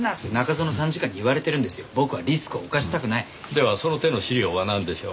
ではその手の資料はなんでしょう？